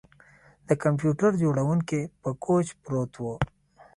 د کمپیوټر جوړونکی په کوچ پروت و